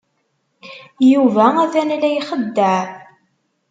Yuba atan la ixeddeɛ.